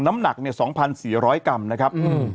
น้ำหนัก๒๔๐๐กรัมนะครับ